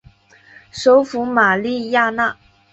首府玛利亚娜。